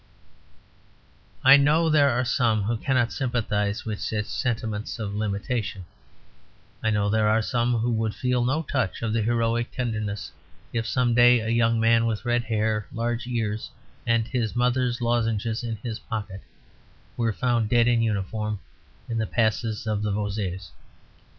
I know there are some who cannot sympathise with such sentiments of limitation; I know there are some who would feel no touch of the heroic tenderness if some day a young man, with red hair, large ears, and his mother's lozenges in his pocket, were found dead in uniform in the passes of the Vosges.